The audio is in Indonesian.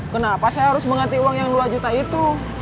kenapa saya harus mengganti uang yang dua juta itu